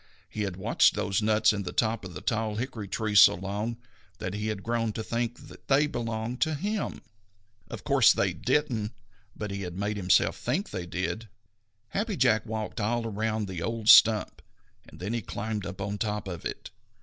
He had watched those nuts in the top of the tall hickory tree so long that he had grown to think that they belonged to him. Of course they didn't, but he had made himself think they did. Happy Jack walked all around the old stump, and then he climbed up on top of it.